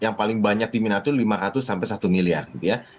yang paling banyak diminati lima ratus sampai satu miliar gitu ya